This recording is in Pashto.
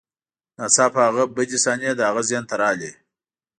ناڅاپه هغه بدې صحنې د هغه ذهن ته راغلې